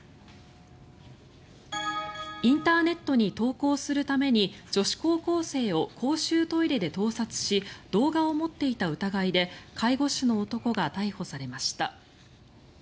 インターネットに投稿するために女子高校生を公衆トイレで盗撮し動画を持っていた疑いで介護士の男が逮捕されました。